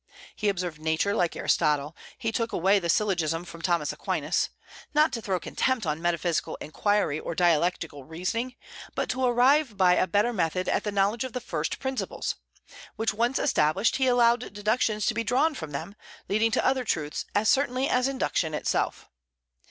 He observed Nature, like Aristotle. He took away the syllogism from Thomas Aquinas, not to throw contempt on metaphysical inquiry or dialectical reasoning, but to arrive by a better method at the knowledge of first principles; which once established, he allowed deductions to be drawn from them, leading to other truths as certainly as induction itself.